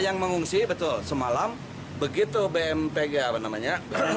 yang mengungsi betul semalam begitu bmtg apa namanya